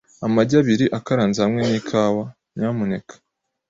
Amagi abiri akaranze hamwe nikawa, nyamuneka .